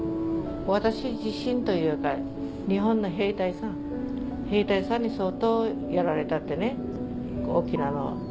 私自身というか日本の兵隊さん兵隊さんに相当やられたってね沖縄の。